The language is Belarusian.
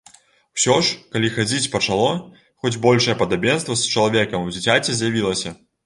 Усё ж, калі хадзіць пачало, хоць большае падабенства з чалавекам у дзіцяці з'явілася.